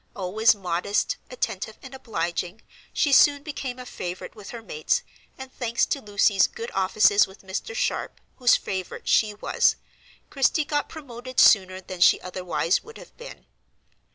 Always modest, attentive, and obliging, she soon became a favorite with her mates, and, thanks to Lucy's good offices with Mr. Sharp, whose favorite she was, Christie got promoted sooner than she otherwise would have been.